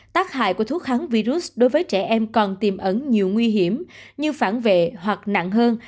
tác hại của thuốc kháng virus đối với trẻ em còn tiềm ẩn nhiều nguy hiểm như phản vệ hoặc nặng hơn